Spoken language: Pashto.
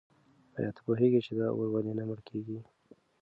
آیا ته پوهېږې چې دا اور ولې نه مړ کېږي؟